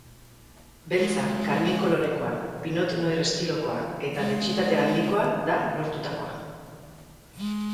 Beltza, karmin kolorekoa, pinot noir estilokoa eta dentsitate handikoa da lortutakoa.